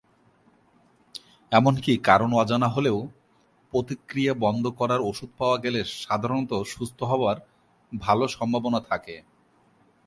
এমনকি কারণ অজানা হলেও, প্রতিক্রিয়া বন্ধ করার ওষুধ পাওয়া গেলে সাধারণতঃ সুস্থ হবার ভাল সম্ভাবনা থাকে।